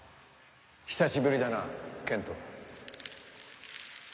久しぶりだな賢人。